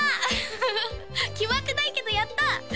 ウフフフ決まってないけどやった！